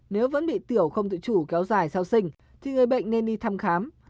nếu vẫn bị tiểu không tự chủ kéo dài sau sinh thì người bệnh nên đi thăm khám